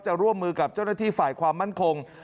ร่วมมือกับเจ้าหน้าที่ฝ่ายความมั่นคง